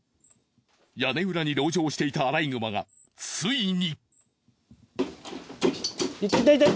屋根裏に籠城していたアライグマがついに。